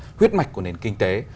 trở thành huyết mạch của nền kinh tế